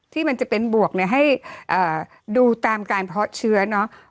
ที่มันจะเป็นบวกให้ดูตามการเพาะเชื้อเนาะ